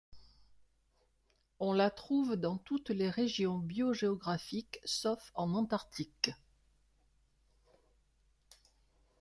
On la trouve dans toutes les régions biogéographiques, sauf en Antarctique.